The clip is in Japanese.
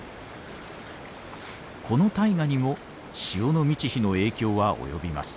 この大河にも潮の満ち干の影響は及びます。